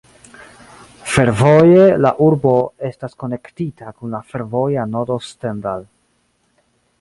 Fervoje la urbo estas konektita kun la fervoja nodo Stendal.